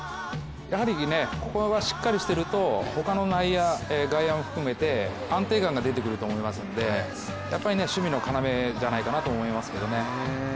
やはりここがしっかりしていると内野、外野も含めて安定感が出てくると思いますので、やっぱり守備の要じゃないかなと思いますけどね。